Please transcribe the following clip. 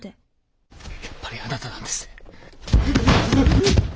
やっぱりあなたなんですね。